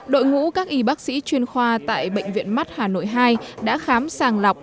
đội ngũ các y bác sĩ chuyên khoa tại bệnh viện mắt hà nội hai đã khám sàng lọc